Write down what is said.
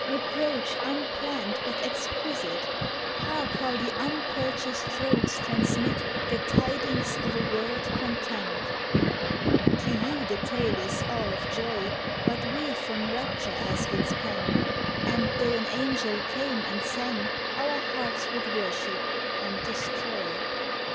Reproach unplanned but exquisite I Hark how the unpurchased throats transmit The tidings of a world content I 93 'THE ECHO AND "THE QUES'T To you the tale is all of joy, But we from rapture ask its pang; And tho' an angel came and sang, Our hearts would worship — and destroy.